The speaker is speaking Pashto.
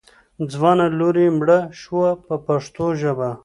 ځوانه لور یې مړه شوه په پښتو ژبه.